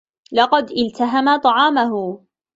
لقد التهمَ طعامه.